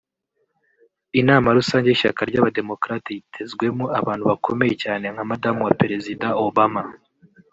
Inama rusange y’ishyaka ry’Abademocrates yitezwemo abantu bakomeye cyane nka Madamu wa Perezida Obama